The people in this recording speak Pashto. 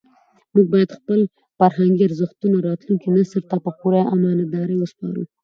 موږ باید خپل فرهنګي ارزښتونه راتلونکي نسل ته په پوره امانتدارۍ وسپارو.